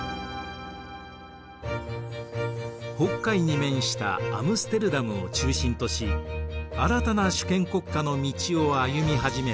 北海に面したアムステルダムを中心とし新たな主権国家の道を歩み始めたオランダ。